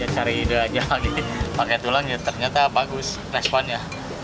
cari dua jam lagi pakai tulang ya ternyata bagus responnya